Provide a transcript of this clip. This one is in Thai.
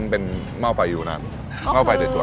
คนที่มาทานอย่างเงี้ยควรจะมาทานแบบคนเดียวนะครับ